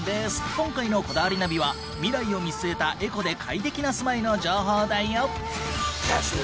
今回の『こだわりナビ』は未来を見据えたエコで快適な住まいの情報だよ。